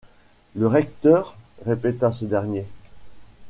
Le recteur ! répéta ce dernier.